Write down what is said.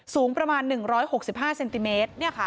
สูงประมาณ๑๖๕เซนติเมตร